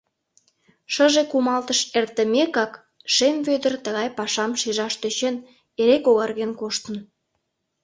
Шыже кумалтыш эртымекак, Шем Вӧдыр тыгай пашам шижаш тӧчен, эре когарген коштын.